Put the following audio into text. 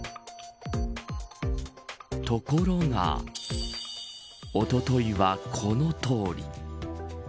ところがおとといは、このとおり。